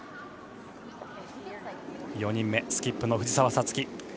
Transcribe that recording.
４人目、スキップの藤澤五月